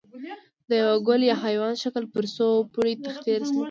د یوه ګل یا حیوان شکل پر څو پوړه تختې رسم کړئ.